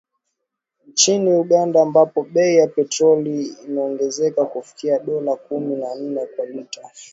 Nchini Uganda ambapo bei ya petroli imeongezeka kufikia dola kumi na nne kwa lita